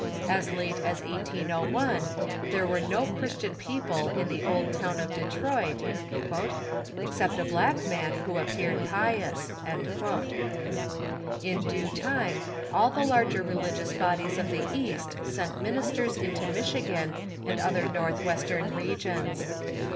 As late as 1801 there AA'cre no Christian peo ple in the old town of Detroit, " except a black man Avho ap peared pious." In due time all the larger religious bodies of the East sent ministers into Michigan and other Nortlnvestern regions.